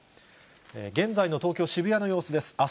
現在の東京・渋谷の様子です。